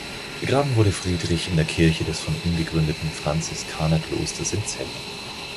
Begraben wurde Friedrich in der Kirche des von ihm gegründeten Franziskanerklosters in Celle.